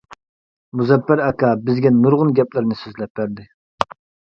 مۇزەپپەر ئاكا بىزگە نۇرغۇن گەپلەرنى سۆزلەپ بەردى.